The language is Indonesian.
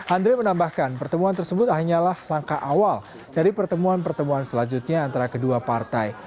andre menambahkan pertemuan tersebut hanyalah langkah awal dari pertemuan pertemuan selanjutnya antara kedua partai